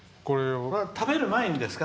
食べる前にですか？